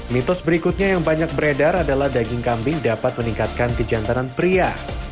mitos berikutnya yang banyak beredar adalah daging kambing dapat meningkatkan kejantanan pria